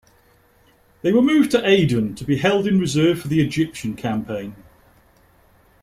They were moved to Aden to be held in reserve for the Egyptian Campaign.